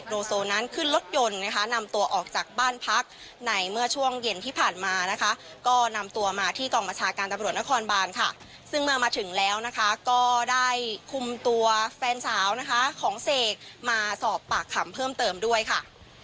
โนโซนั้นขึ้นรถยนต์นะคะนำตัวออกจากบ้านพักในเมื่อช่วงเย็นที่ผ่านมานะคะก็นำตัวมาที่กองบัญชาการตำรวจนครบานค่ะซึ่งเมื่อมาถึงแล้วนะคะก็ได้คุมตัวแฟนสาวนะคะของเสกมาสอบปากคำเพิ่มเติมด้วยค่ะ